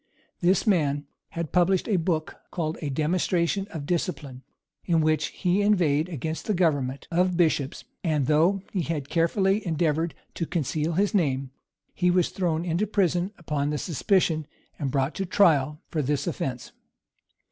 This man had published a book, called a Demonstration of Discipline, in which he inveighed against the government of bishops; and though he had carefully endeavored to conceal his name, he was thrown into prison upon suspicion, and brought to a trial for this offence.